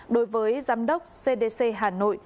đối với giám đốc cdc hà nội